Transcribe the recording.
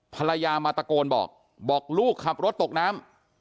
ภรรยามาตะโกนบอกบอกลูกขับรถตกน้ำ